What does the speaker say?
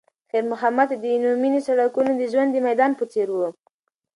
خیر محمد ته د عینومېنې سړکونه د ژوند د میدان په څېر وو.